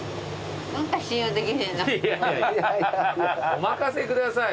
お任せください。